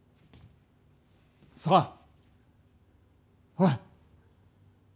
ほら！